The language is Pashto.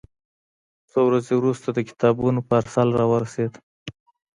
څو ورځې وروسته د کتابونو پارسل راورسېد.